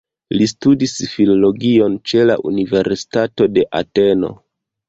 Li studis filologion ĉe la Universitato de Ateno.